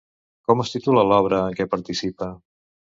Com es titula l'obra en què participa?